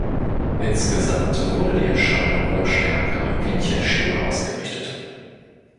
Insgesamt wurde die Erscheinung noch stärker am Kindchenschema ausgerichtet.